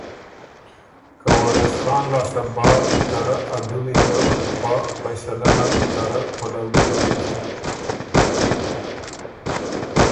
که وارث خان لاسته بعد ته رۀ ا دُوّي ګه پا قیصۀ نر ته رۀ پلؤګري یِن۔